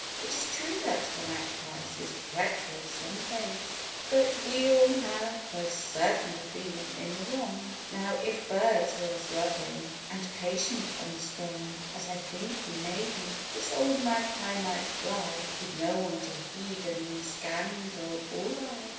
It is true that the Magpie is treacherous and base, But we all have, most certainly, been in the wrong! Now, if birds were as loving, and patient, and strong, As I think we may be, this old Magpie might fly, 'With no one to heed a mean scandal or lie.